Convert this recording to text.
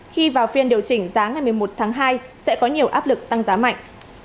khi vào phiên điều chỉnh giá ngày một mươi một tháng hai sẽ có nhiều áp lực tăng giá mạnh